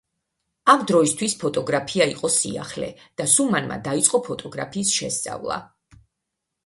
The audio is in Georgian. ამ დროისთვის ფოტოგრაფია იყო სიახლე და სუმანმა დაიწყო ფოტოგრაფიის შესწავლა.